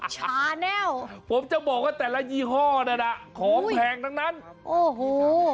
ชาแน่วผมจะบอกว่าแต่ละยี่ห้อนั้นอ่ะของแพงทั้งนั้นโอ้โห